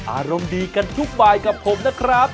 อารมณ์ดีกันทุกบายกับผมนะครับ